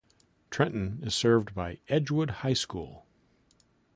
Trenton is served by Edgewood High School.